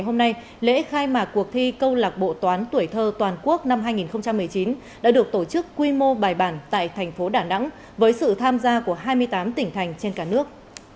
hôm nay lễ khai mạc cuộc thi câu lạc bộ toán tuổi thơ toàn quốc năm hai nghìn một mươi chín đã được tổ chức quy mô bài bản tại thành phố đà nẵng với sự tham gia của hai mươi tám tỉnh thành trên cả nước